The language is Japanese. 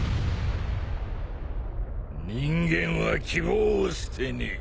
人間は希望を捨てねえ。